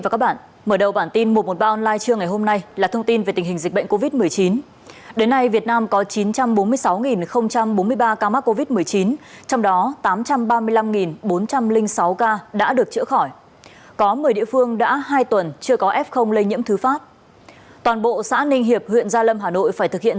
cảm ơn các bạn đã theo dõi